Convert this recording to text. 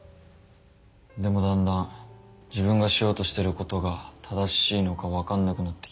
でもだんだん自分がしようとしてることが正しいのか分かんなくなってきて。